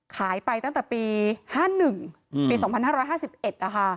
ขายไปตั้งแต่ปี๕๑ปี๒๕๕๑นะคะ